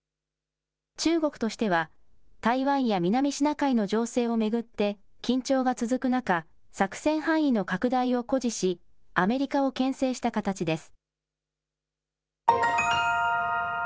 中国としては台湾や南シナ海の情勢を巡って緊張が続く中、作戦範囲の拡大を誇示しアメリカをけん制した形です。